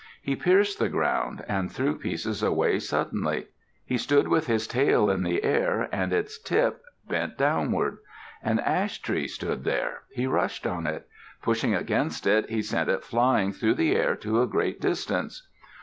He pierced the ground and threw pieces away suddenly. He stood with his tail in the air and its tip bent downward. An ash tree stood there. He rushed on it. Pushing against it, he sent it flying through the air to a great distance.